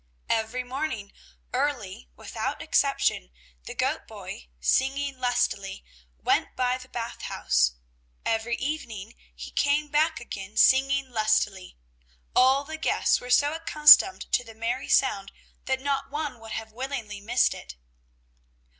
Every morning, early, without exception the goat boy, singing lustily, went by the Bath House. Every evening he came back again singing lustily. All the guests were so accustomed to the merry sound that not one would have willingly missed it.